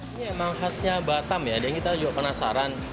ini emang khasnya batam ya kita juga penasaran